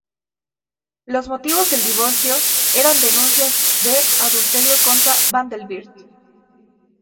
Los motivos del divorcio eran denuncias de adulterio contra Vanderbilt.